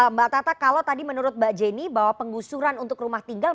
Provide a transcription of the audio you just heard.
mbak tata kalau tadi menurut mbak jenny bahwa penggusuran untuk rumah tinggal